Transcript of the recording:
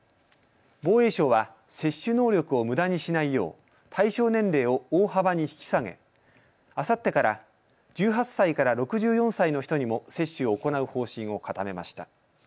防衛省は接種能力をむだにしないよう対象年齢を大幅に引き下げあさってから１８歳から６４歳の人にも接種を行う方針を固めました。